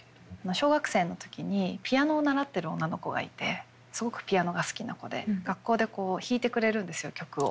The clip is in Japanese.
小学生の時にピアノを習っている女の子がいてすごくピアノが好きな子で学校で弾いてくれるんですよ曲を。